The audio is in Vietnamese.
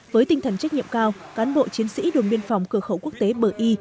với tinh thần trách nhiệm cao cán bộ chiến sĩ đồn biên phòng cửa khẩu quốc tế bờ y